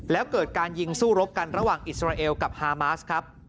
แล้วเกิดการยิงสู้รบกันระหว่างอิสราเอลกับฮามาสครับ